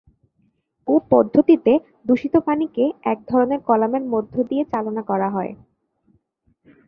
এ পদ্ধতিতে দূষিত পানিকে এক ধরনের কলামের মধ্য দিয়ে চালনা করা হয়।